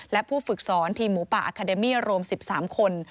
และผู้ฝึกสอนทีมหมูป่าอาคาเดมี่รวม๑๓คน